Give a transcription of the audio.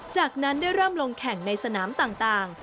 จากนั้นได้เริ่มลงแข่งในสนามต่าง